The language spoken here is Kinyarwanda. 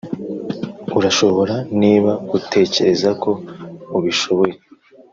urashobora niba utekereza ko ubishoboye.